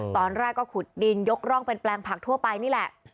ตอนแรกก็ขุดดินยกร่องเป็นแปลงผักทั่วไปนี่แหละ